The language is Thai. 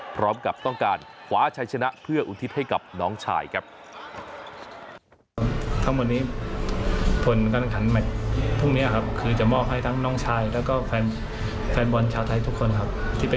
พร้อมกับต้องการคว้าชัยชนะเพื่ออุทิศให้กับน้องชายครับ